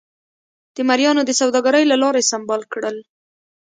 د مریانو د سوداګرۍ له لارې سمبال کړل.